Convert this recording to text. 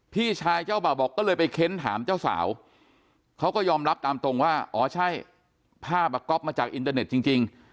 พี่ชายเจ้าบ่าวบอกก็เลยไปเค้นถามเจ้าสาวเขาก็ยอมรับตามตรงว่าอ๋อใช่ภาพอ่ะก๊อฟมาจากอินเตอร์เน็ตจริง